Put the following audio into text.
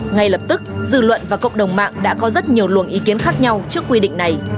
ngay lập tức dư luận và cộng đồng mạng đã có rất nhiều luồng ý kiến khác nhau trước quy định này